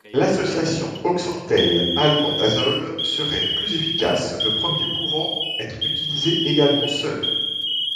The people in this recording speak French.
L'association oxantel-albendazole serait plus efficace, le premier pouvant être utilisé également seul.